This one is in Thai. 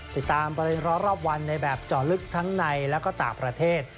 ติดตามประเด็นร้อนรอบวันในแบบเจาะลึกทั้งในและก็ต่างประเทศ